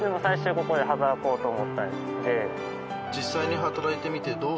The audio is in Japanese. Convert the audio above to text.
ここで働こうと思ったんで。